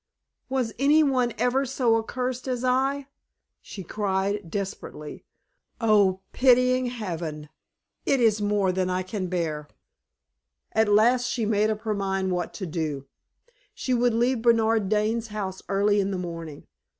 "Was any one ever so accursed as I?" she cried, desperately. "Oh, pitying Heaven! it is more than I can bear!" At last she made up her mind what to do. She would leave Bernard Dane's house early in the morning.